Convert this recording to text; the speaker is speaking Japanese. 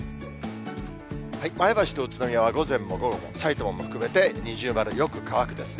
前橋と宇都宮は午前も午後も、さいたまも含めて二重丸、よく乾くですね。